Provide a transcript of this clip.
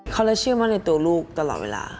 เขาเลยเชื่อมั่นในตัวลูกตลอดเวลา